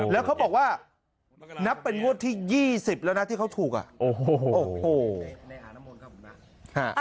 แล้วเขาบอกว่านับเป็นงวดที่๒๐แล้วนะที่เขาถูกอ่ะโอ้โห